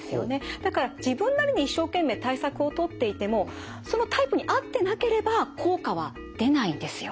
だから自分なりに一生懸命対策をとっていてもそのタイプに合ってなければ効果は出ないんですよ。